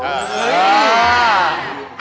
เออ